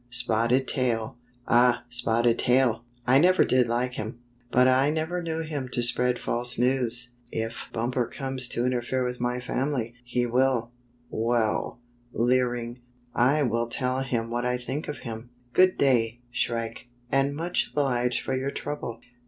" Spotted Tail." "Ah! Spotted Tail! I never did like him, but I never knew him to spread false news. If 65 66 The Work of Shrike the Butcher Bird Bumper comes to interfere with my family, he will — Well/" leering, "I will tell him what I think of him. Good day, Shrike, and much obliged for your trouble.